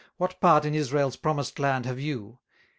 What part in Israel's promised land have you?